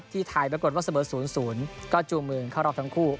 ไทยปรากฏว่าเสมอ๐๐ก็จูงมือเข้ารอบทั้งคู่